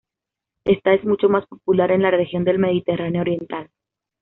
Ésta es mucho más popular en la región del Mediterráneo oriental.